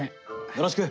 よろしく。